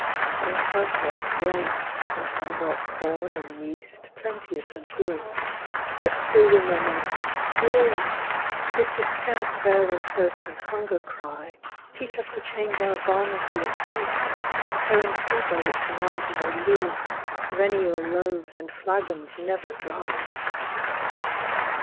Then some brought grapes, and some brought corn and yeast. Plenteous and good ; yet still we murmured, " Give ! This is scant fare when thirst and hunger cry : Teach us to change our garner to a feast, Preparing food by which the mind may live, Perennial loaves, and flagons never dry."